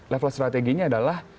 level strateginya adalah